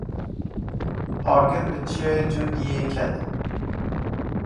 Agir bi Çiyayê Cûdiyê ket.